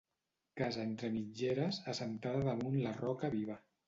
Casa entre mitgeres, assentada damunt la roca viva.